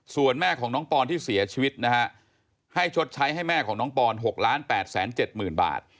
ส่วนแม่ของน้องปอนที่เสียชีวิตนะฮะให้ชดใช้ให้แม่ของน้องปอน๖๘๗๐๐๐บาท